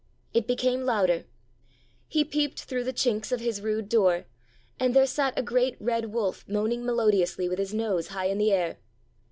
It became louder. He peeped through the chinks of his rude door, and there sat a great red wolf moaning melodiously with his nose high in the air!